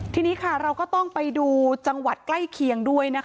ทีนี้ค่ะเราก็ต้องไปดูจังหวัดใกล้เคียงด้วยนะคะ